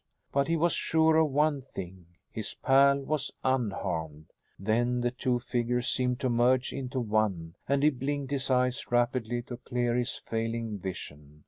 But he was sure of one thing his pal was unharmed. Then the two figures seemed to merge into one and he blinked his eyes rapidly to clear his failing vision.